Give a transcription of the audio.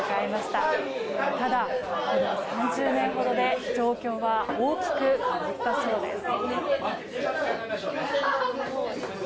ただ３０年ほどで状況は大きく変わったそうです。